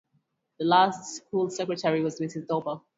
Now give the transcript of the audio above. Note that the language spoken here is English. The last school secretary was Mrs Dawber.